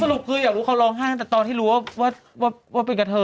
ปลูกคืออยากรู้เขาร้องไห้ตั้งแต่ตอนที่รู้ว่าเป็นกับเธอ